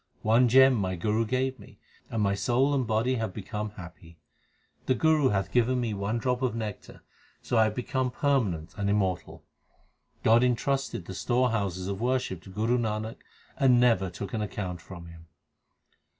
One gem my Guru gave me, and my soul and body have become happy. The Guru hath given me one drop of nectar, so I have become permanent and immortal. God entrusted the storehouses of worship to Guru Nanak, and never took an account from him.